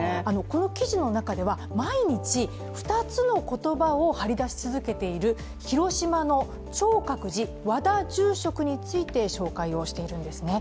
この記事の中では毎日２つの言葉を貼り出し続けている広島の超覚寺、和田住職について紹介しているんですね。